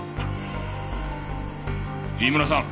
飯村さん！